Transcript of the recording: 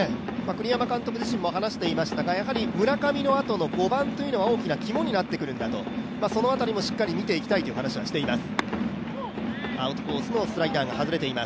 栗山監督自身も話していましたが、村上の後の５番というところも大きな肝になってくるんだと、その辺りもしっかり見ていきたいという話はしています。